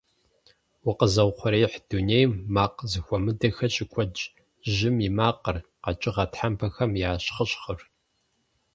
Укъэзыухъуреихь дунейм макъ зэхуэмыдэхэр щыкуэдщ: жьым и макъыр, къэкӀыгъэ тхьэмпэхэм я щхъыщхъыр.